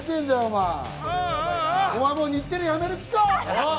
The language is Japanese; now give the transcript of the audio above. お前、もう日テレ、辞める気か？！